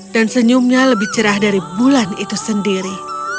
dan senyumnya lebih cerah dari bulan itu sendiri